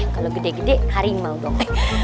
kalau gede gede harimau dong